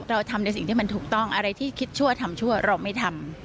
เราทำในสิ่งที่มันถูกต้องอะไรที่คิดชั่วทำชั่วเราไม่ทำ